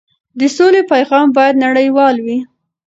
د سولې پیغام باید نړیوال وي.